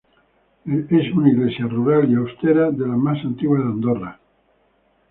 Es una iglesia rural y austera, de las más antiguas de Andorra.